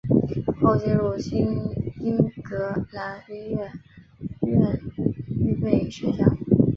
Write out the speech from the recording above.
后进入新英格兰音乐院预备学校。